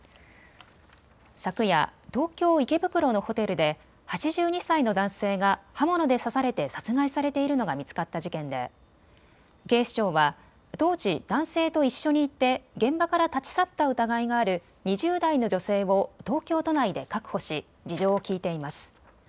昨夜、東京池袋のホテルで８２歳の男性が刃物で刺されて殺害されているのが見つかった事件で警視庁は当時、男性と一緒にいて現場から立ち去った疑いがある２０代の女性を東京都内で確保し、事情を聴いています。